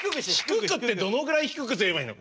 低くってどのぐらい低くすればいいの？